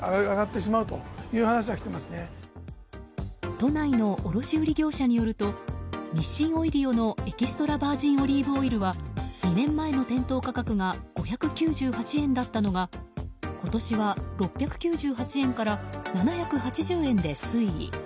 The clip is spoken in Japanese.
都内の卸売業者によると日清オイリオのエキストラバージンオリーブオイルは２年前の店頭価格が５９８円だったのが今年は６９８円から７８０円で推移。